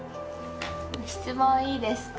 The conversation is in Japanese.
質問いいですか？